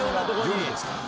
夜ですか？